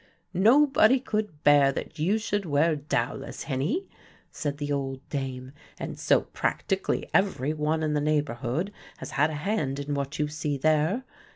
"Nobody could bear that you should wear dowlas, hinnie," said the old dame, "and so practically every one in the neighbourhood has had a hand in what you see there.